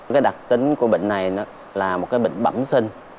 cái đặc tính của bệnh này là một cái bệnh bẩm sinh